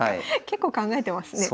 結構考えてますね。